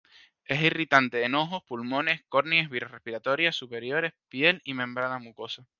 Es irritante en ojos, pulmones, córneas, vías respiratorias superiores, piel y membranas mucosas.